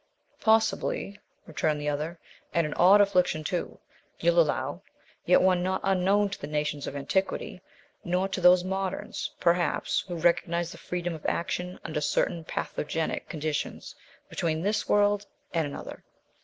"Possibly," returned the other, "and an odd affliction too, you'll allow, yet one not unknown to the nations of antiquity, nor to those moderns, perhaps, who recognize the freedom of action under certain pathogenic conditions between this world and another."